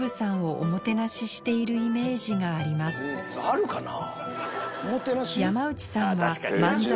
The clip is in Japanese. あるかな？